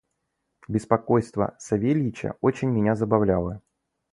Беспокойство Савельича очень меня забавляло.